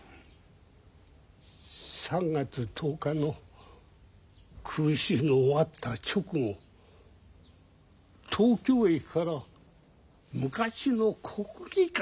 ３月１０日の空襲の終わった直後東京駅から昔の国技館が見えたって。